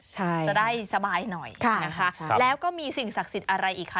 ใช่จะได้สบายหน่อยนะคะแล้วก็มีสิ่งศักดิ์สิทธิ์อะไรอีกคะ